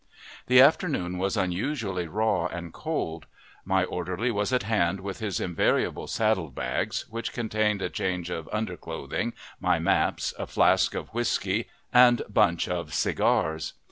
The afternoon was unusually raw and cold. My orderly was at hand with his invariable saddle bags, which contained a change of under clothing, my maps, a flask of whiskey, and bunch of cigars.